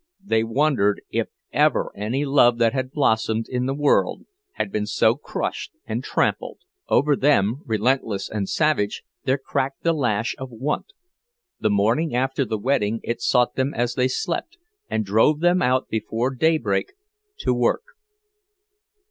They wondered if ever any love that had blossomed in the world had been so crushed and trampled! Over them, relentless and savage, there cracked the lash of want; the morning after the wedding it sought them as they slept, and drove them out before daybreak to work.